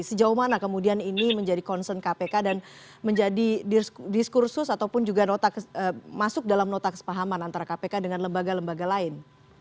sejauh mana kemudian ini menjadi concern kpk dan menjadi diskursus ataupun juga masuk dalam nota kesepahaman antara kpk dengan lembaga lembaga lain